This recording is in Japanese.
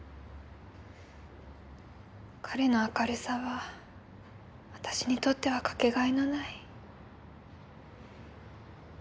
彼の明るさは私にとってはかけがえのない。